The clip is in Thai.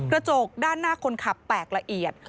กระจกด้านหน้าคนขับแตกละเอียด